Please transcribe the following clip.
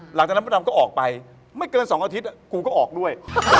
หลังจากนั้นมดดำก็ออกไปไม่เกิน๒อาทิตย์กูก็ออกด้วย